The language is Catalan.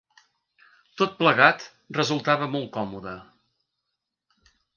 Tot plegat resultava molt còmode.